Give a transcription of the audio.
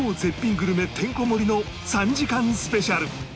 グルメてんこ盛りの３時間スペシャル